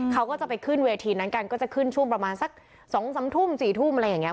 เขาก็จะไปขึ้นเวทีนั้นกันก็จะขึ้นช่วงประมาณสัก๒๓ทุ่ม๔ทุ่มอะไรอย่างนี้